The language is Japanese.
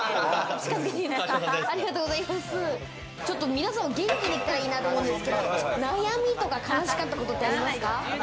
皆さんを元気にできたらいいなと思うんですけれども、悩みとか悲しかったことってありますか？